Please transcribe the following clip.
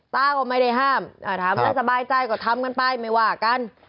ตาก็ไม่ได้ห้ามถามแล้วสบายใจก็ทำกันไปไม่ว่ากัน